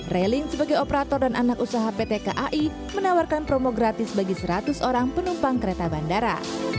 railing sebagai operator dan anak usaha pt kai menawarkan promo gratis bagi seratus orang penumpang kereta bandara